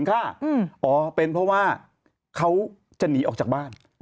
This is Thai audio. เขาจะหนีออกจากบ้าน